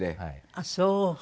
あっそう。